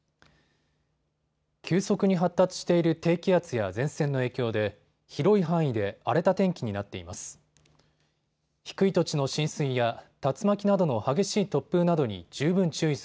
急速に発達している低気圧や前線の影響で広い範囲で荒れた天気になっています。